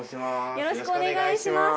よろしくお願いします。